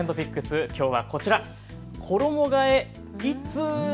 きょうはこちら、衣がえいつ？